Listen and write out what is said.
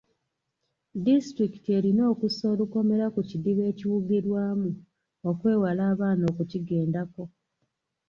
Disitulikiti erina okussa olukomera ku kidiba ekiwugirwamu okwewala abaana okukigendako.